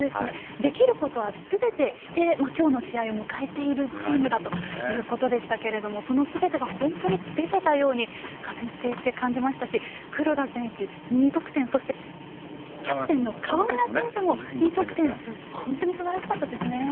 できることはすべてして今日の試合を迎えているチームだということでしたけどもそのすべてが本当に出ていたように観戦していて感じましたし黒田選手の２得点そして、キャプテンの川村選手も２得点と本当にすばらしかったですね。